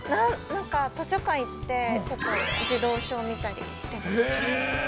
なんか、図書館行って、ちょっと児童書を見たりしていますね。